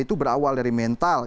itu berawal dari mental